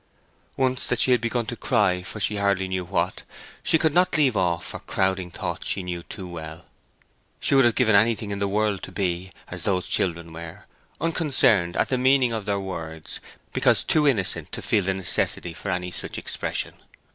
Once that she had begun to cry for she hardly knew what, she could not leave off for crowding thoughts she knew too well. She would have given anything in the world to be, as those children were, unconcerned at the meaning of their words, because too innocent to feel the necessity for any such expression.